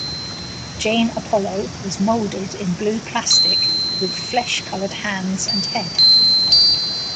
Jane Apollo was molded in blue plastic with "flesh" colored hands and head.